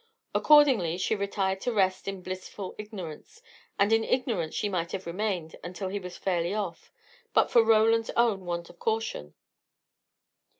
Accordingly, she retired to rest in blissful ignorance: and in ignorance she might have remained until he was fairly off, but for Roland's own want of caution.